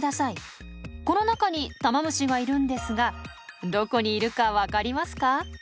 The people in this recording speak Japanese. この中にタマムシがいるんですがどこにいるか分かりますか？